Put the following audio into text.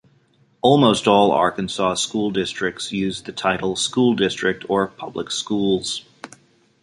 Almost all Arkansas school districts use the title "School District", or "Public Schools".